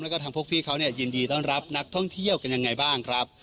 แล้วก็พวกพี่ครับยินดีรับนักท่องเที่ยวกันอย่างไรบ้างครับ